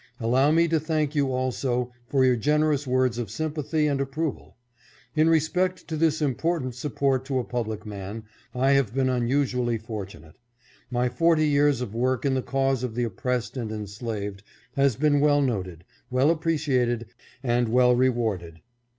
Allow me to thank you also for your generous words of sympathy and approval. In respect to this important support to a public man, I have been unusually fortunate. My forty years of work in the cause of the oppressed and enslaved has been well noted, well appreciated and well rewarded.